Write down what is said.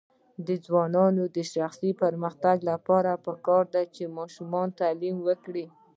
د ځوانانو د شخصي پرمختګ لپاره پکار ده چې ماشومانو تعلیم ورکړي.